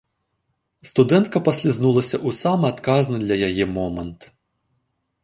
Студэнтка паслізнулася ў самы адказны для яе момант.